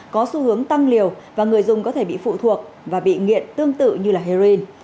có xu hướng tăng liều và người dùng có thể bị phụ thuộc và bị nghiện tương tự như heroin